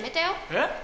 えっ？